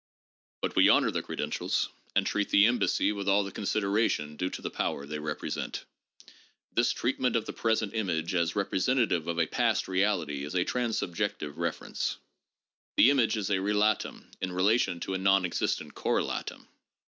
But we honor the credentials, and treat the embassy with all the consideration due to the power they represent. This treatment of the present image as repre sentative of a past reality is a transsubjective reference. The image is a ' relatum ' in relation to a non existent ' correlatum.'